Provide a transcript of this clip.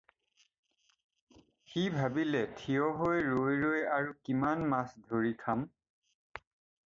সি ভাবিলে― "থিয় হৈ ৰৈ ৰৈ আৰু কিমান মাছ ধৰি খাম?"